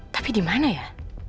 tapi dimana ya